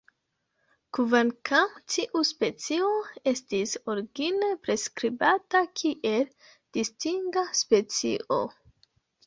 Kvankam tiu specio estis origine priskribata kiel distinga specio.